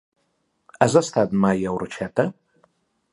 Has estat mai a Orxeta?